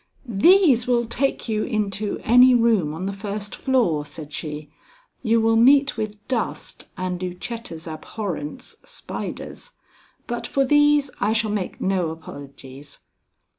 "These will take you into any room on the first floor," said she. "You will meet with dust and Lucetta's abhorrence, spiders, but for these I shall make no apologies.